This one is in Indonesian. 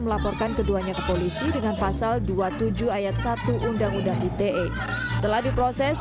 melaporkan keduanya ke polisi dengan pasal dua puluh tujuh ayat satu undang undang ite setelah diproses